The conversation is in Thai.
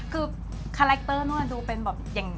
คือคาแรกเตอร์นู้นดูเป็นแบบ